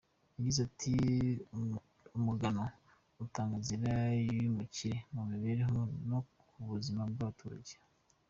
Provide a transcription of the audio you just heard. Yagize ati “Umugano utanga inzira z’ubukire ku mibereho no ku buzima bw’abaturage.